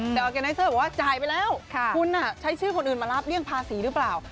แต่ออร์แกไนเซอร์บอกว่าจ่ายไปแล้วคุณใช้ชื่อคนอื่นมารับเลี่ยงภาษีหรือเปล่า